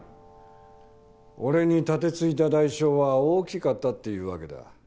俺に盾突いた代償は大きかったっていうわけだ。